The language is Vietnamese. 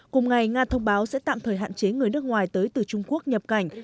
cùng ngày nga thông báo sẽ tạm thời hạn chế người nước ngoài tới từ trung quốc nhập cảnh